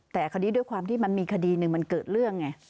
แต่คราวนี้ด้วยความที่มันมีคดีหนึ่งมันเกิดเรื่องไง